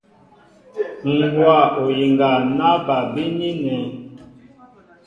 Ŋ̀ hówa oyiŋga ná bal bínínɛ̄.